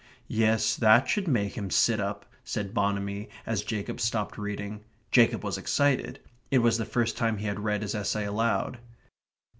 "Yes; that should make him sit up," said Bonamy, as Jacob stopped reading. Jacob was excited. It was the first time he had read his essay aloud.